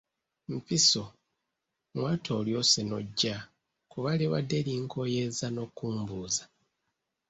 Mpiso, mwattu olyose n’ojja kuba libadde linkooyezza n’okumbuuza.